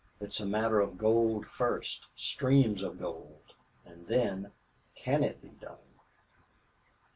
"It's a matter of gold first. Streams of gold! And then can it be done?"